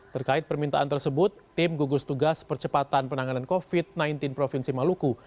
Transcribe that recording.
terkait permintaan tersebut tim gugus tugas percepatan penanganan covid sembilan belas provinsi maluku